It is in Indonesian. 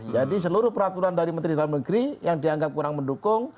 jadi seluruh peraturan dari menteri dalam negeri yang dianggap kurang mendukung